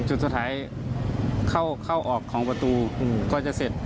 จุดสุดท้ายเข้าออกของประตูก็จะเสร็จ